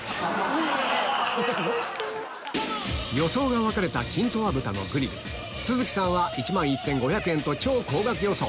予想が分かれたキントア豚のグリル都筑さんは１万１５００円と超高額予想